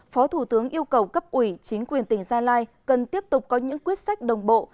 phó thủ tướng yêu cầu cấp ủy chính quyền tỉnh gia lai cần tiếp tục có những quyết sách đồng bộ